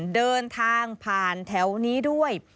เดินทางผ่านแถวนี้ด้วย